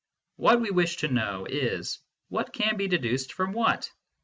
What we wish to know is, what can be deduced from what.